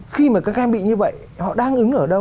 khi mà các em bị như vậy họ đang ứng ở đâu